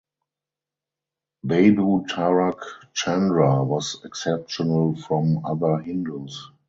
Babu Tarak Chandra was exceptional from other Hindus.